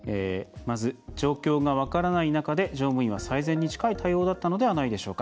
状況が分からない中で、乗務員は最善に近い対応だったのではないでしょうか。